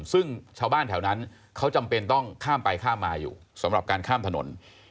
ซึ่งชาวบ้านแถวนั้นเขาจำเป็นต้องข้ามไปข้ามมาอยู่สำหรับการข้ามถนน